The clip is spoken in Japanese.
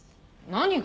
何が？